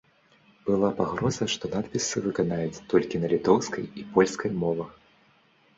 Была пагроза, што надпісы выканаюць толькі на літоўскай і польскай мовах.